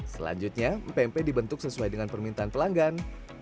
selanjutnya mpe mpe dibentuk sesuai dengan permintaan pelanggan